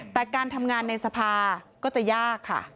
แต่การทำงานในสภาทธิปัตตาก็จะยาก